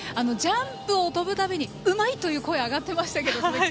ジャンプを跳ぶたびにうまいという声が上がっていましたが。